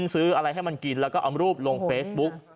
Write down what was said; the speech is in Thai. ซื้ออะไรให้มันกินแล้วก็เอารูปลงเฟซบุ๊ก